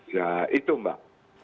ya itu mbak